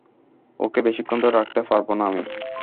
ওকে বেশিক্ষণ ধরে রাখতে পারবো না আমি।